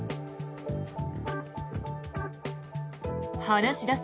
話し出す